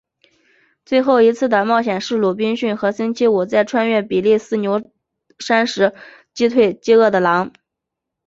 最后一次的冒险是鲁滨逊和星期五在穿越比利牛斯山时击退饥饿的狼。